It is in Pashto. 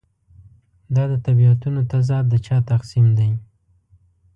دا د طبیعتونو تضاد د چا تقسیم دی.